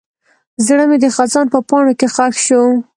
زړه مې د خزان په پاڼو کې ښخ شو.